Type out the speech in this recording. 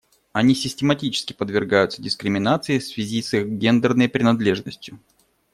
Они систематически подвергаются дискриминации в связи с их гендерной принадлежностью.